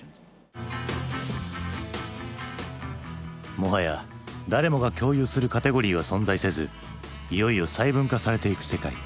もはや誰もが共有するカテゴリーは存在せずいよいよ細分化されていく世界。